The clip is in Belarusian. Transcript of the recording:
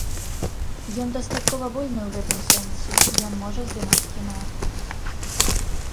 Ён дастаткова вольны ў гэтым сэнсе, ён можа здымаць кіно.